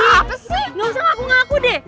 gak usah ngaku dua deh